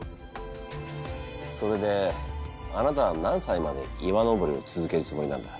それであなたは何歳まで岩登りを続けるつもりなんだ。